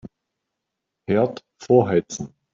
Herd vorheizen.